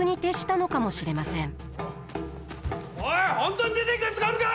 おい本当に出ていくやつがあるか！